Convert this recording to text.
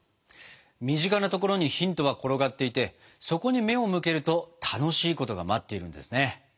身近な所にヒントが転がっていてそこに目を向けると楽しいことが待っているんですね。